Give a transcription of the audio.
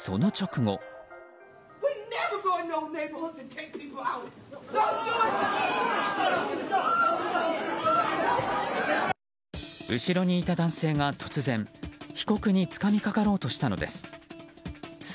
後ろにいた男性が突然、被告につかみかかろうとしたのです。